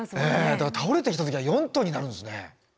だから倒れてきた時は４トンになるんですね。